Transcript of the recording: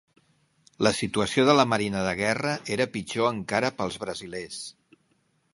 La situació de la marina de guerra era pitjor encara pels brasilers.